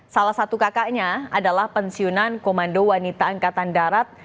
salah satu kakaknya adalah pensiunan komando wanita angkatan darat